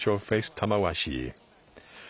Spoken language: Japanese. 玉鷲。